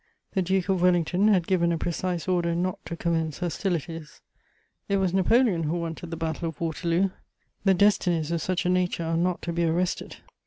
The Duke of Wellington had given a precise order not to commence hostilities; it was Napoleon who wanted the Battle of Waterloo: the destinies of such a nature are not to be arrested.